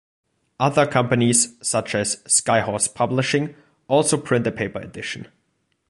Other companies-such as Skyhorse Publishing-also print a paper edition.